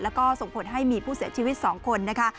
แล้วก็ส่งผลให้มีผู้เสียชีวิต๒คนนะคะ